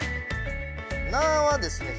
「な」はですね